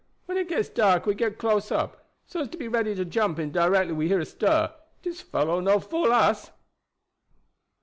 When it gets dark we get close up, so as to be ready to jump in directly we hear a stir. Dis fellow no fool us."